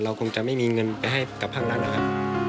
คงจะไม่มีเงินไปให้กับภาครัฐนะครับ